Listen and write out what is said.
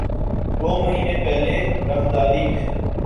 دو مہینے پہلے راہداری میں